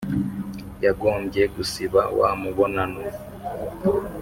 yagombye gusiba wa mubonano